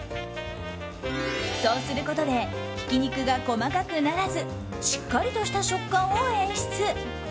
そうすることでひき肉が細かくならずしっかりとした食感を演出。